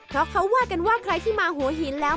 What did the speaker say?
เพราะเขาว่ากันว่าใครที่มาหัวหินแล้ว